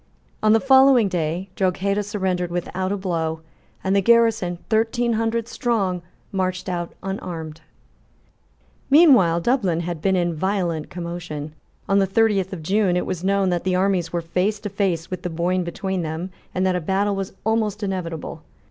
On the following day, Drogheda surrendered without a blow, and the garrison, thirteen hundred strong, marched out unarmed, Meanwhile Dublin had been in violent commotion. On the thirtieth of June it was known that the armies were face to face with the Boyne between them, and that a battle was almost inevitable.